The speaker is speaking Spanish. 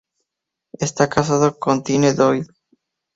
Está casado con Tyne Doyle.